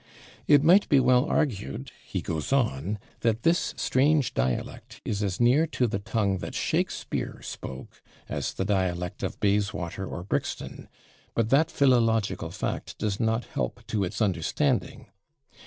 It might be well argued, he goes on, that this strange dialect is as near to "the tongue that Shakespeare spoke" as "the dialect of Bayswater or Brixton," but that philological fact does not help to its understanding.